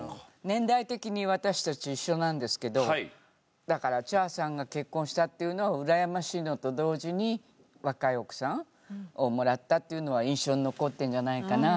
年代的に私たち一緒なんですけどだから茶さんが結婚したっていうのはうらやましいのと同時に若い奥さんをもらったっていうのは印象に残ってるんじゃないかな。